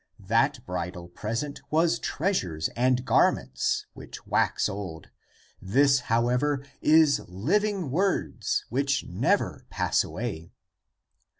That bridal present was 328 THE APOCRYPHAL ACTS treasures and garments which wax old; this, how ever, is Hving words which never pass away."